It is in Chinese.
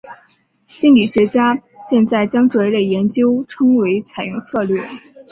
心理学家现在将这类研究称为采用策略。